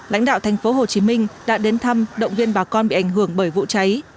lãnh đạo tp hcm đã đến thăm động viên bà con bị ảnh hưởng bởi vụ cháy